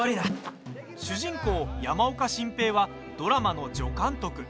主人公、山岡進平はドラマの助監督。